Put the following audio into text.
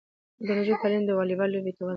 د نجونو تعلیم د والیبال لوبې ته وده ورکوي.